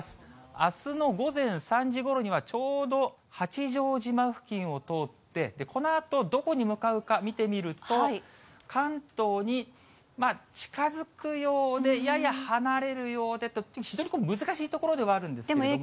あすの午前３時ごろには、ちょうど八丈島付近を通って、このあとどこに向かうか見てみると、関東に近づくようで、やや離れるようでと、非常に難しいところではあるんですけれども。